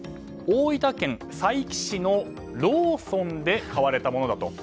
大分県佐伯市のローソンで買われたものだと。